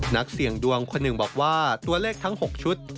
นักเสี่ยงดวงคนหนึ่งบอกว่าตัวเลขทั้ง๖ชุด